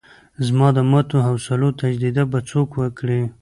زما د ماتو حوصلو تجدید به څوک وکړي.